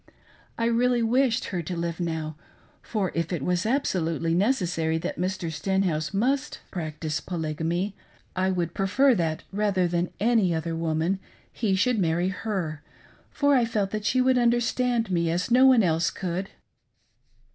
I really wished her to live now, for if it was absolutely necessary that Mr. Stenhouse must practice BESIDE THE BED OF DEATH. 44? Polygamy, I would prefer that, rather than any other woman, he should marry her, for I felt that she would understand me as no. one else could.